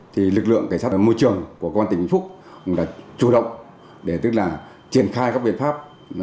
thì lực lượng cảnh sát môi trường của công an tỉnh vĩnh phúc đã chủ động tức là triển khai các biện pháp